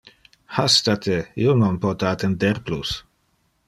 Hasta te! Io non pote attender plus.